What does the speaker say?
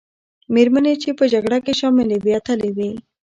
مېرمنې چې په جګړه کې شاملي وې، اتلې وې.